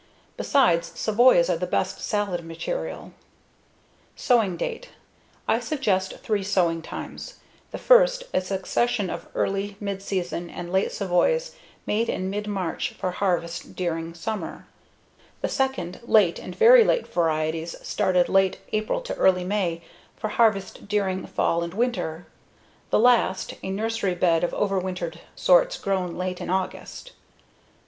Besides, savoys are the best salad material. Sowing date: I suggest three sowing times: the first, a succession of early, midseason, and late savoys made in mid March for harvest during summer; the second, late and very late varieties started late April to early May for harvest during fall and winter; the last, a nursery bed of overwintered sorts sown late in August.